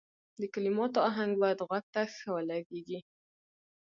د کلماتو اهنګ باید غوږ ته ښه ولګیږي.